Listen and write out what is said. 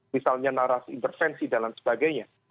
misalnya narasi intervensi dan lain sebagainya